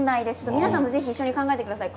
皆さんもぜひ一緒に考えてください。